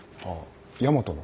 大和の？